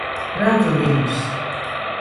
Redzu viņus.